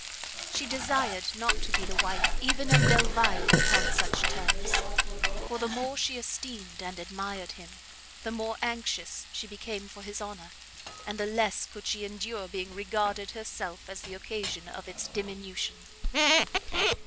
She desired not to be the wife even of Delvile upon such terms, for the more she esteemed and admired him, the more anxious she became for his honour, and the less could she endure being regarded herself as the occasion of its diminution.